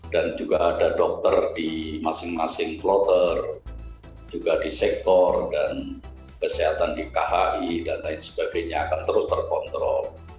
dan juga ada dokter di masing masing plotter juga di sektor dan kesehatan di khi dan lain sebagainya akan terus terkontrol